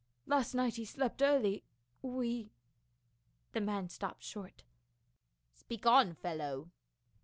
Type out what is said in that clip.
Last night he slept early ; we —" The man stopped short. "Speak on, fellow."